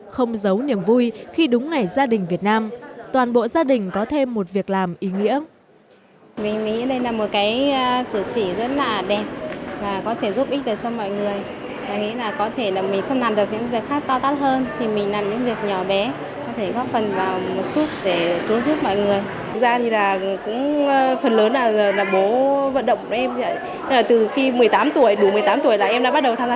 không giấu niềm vui khi đúng ngày gia đình việt nam toàn bộ gia đình có thêm một việc làm ý nghĩa